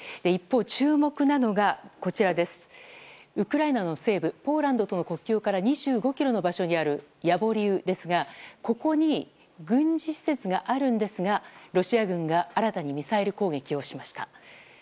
一方、注目なのがウクライナの西部ポーランドとの国境から２５ｋｍの場所にあるヤボリウですがここに軍事施設があるんですがロシア軍が新たにミサイル攻撃をしました。